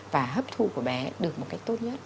và hấp thụ của bé được một cách tốt nhất